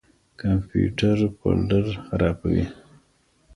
کمپيوټر فولډر خراپوي.